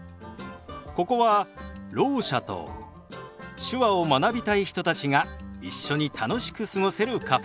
ここはろう者と手話を学びたい人たちが一緒に楽しく過ごせるカフェ。